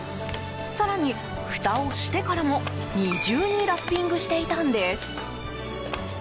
更にふたをしてからも、二重にラッピングしていたんです。